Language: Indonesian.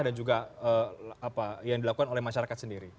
dan juga apa yang dilakukan oleh masyarakat sendiri